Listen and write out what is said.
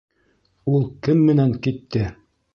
Ул кем менән китте?